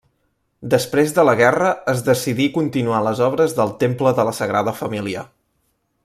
Després de la guerra es decidí continuar les obres del temple de la Sagrada Família.